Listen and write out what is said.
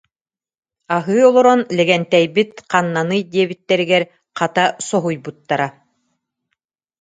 Аһыы олорон лэгэнтэйбит ханнаный диэбиттэригэр, хата, соһуйбуттара